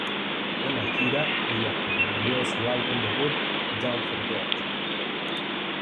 En la gira, ella promovió su álbum debut Don't Forget.